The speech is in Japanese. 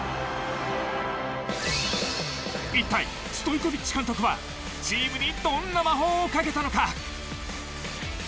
一体、ストイコヴィッチ監督はチームにどんな魔法をかけたのか。